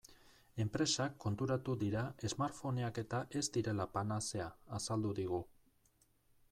Enpresak konturatu dira smartphoneak-eta ez direla panazea, azaldu digu.